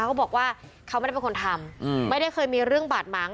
เขาบอกว่าเขาไม่ได้เป็นคนทำไม่ได้เคยมีเรื่องบาดหมาง